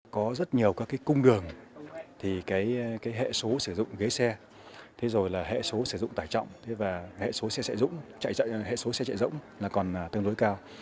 có rất nhiều các cung đường hệ số sử dụng ghế xe hệ số sử dụng tải trọng hệ số xe chạy rỗng còn tương đối cao